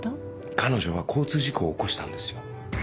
彼女は交通事故を起こしたんですよ。